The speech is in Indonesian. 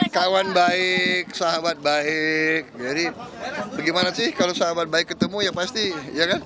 kawan baik sahabat baik jadi bagaimana sih kalau sahabat baik ketemu ya pasti ya kan